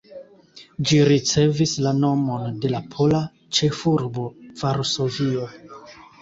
Ĝi ricevis la nomon de la pola ĉefurbo Varsovio.